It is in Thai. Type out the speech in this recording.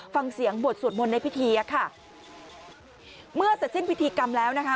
ฟังเสียงบวชสวดมนต์ในพิธีอะค่ะเมื่อเสร็จสิ้นพิธีกรรมแล้วนะคะ